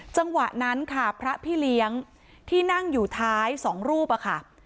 จังหวะนั้นค่ะพระพี่เลี้ยงที่นั่งอยู่ท้ายสองรูปค่ะ